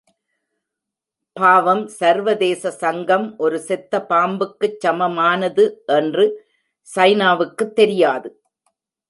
பாவம், சர்வதேச சங்கம் ஒரு செத்தபாம்புக்குச் சமானமானது என்று சைனாவுக்குத் தெரியாது.